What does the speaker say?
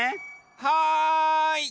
はい！